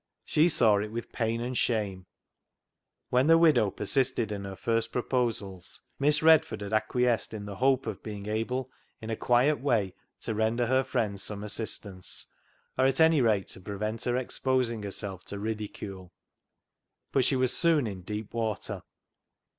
She saw it with pain and shame. When the widow persisted in her first proposals Miss Redford had acquiesced in the hope of being able in a quiet way to render her friend some assistance, or at anyrate to prevent her exposing herself to ridicule. But she was soon in deep water.